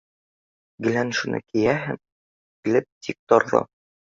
Гелән шуны кейәһем килеп тик торҙо.